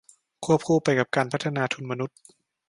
ควบคู่ไปกับการพัฒนาทุนมนุษย์